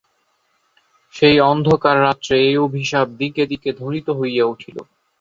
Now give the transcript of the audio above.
সেই অন্ধকার রাত্রে এই অভিশাপ দিকে দিকে ধ্বনিত হইয়া উঠিল।